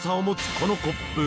このコップ。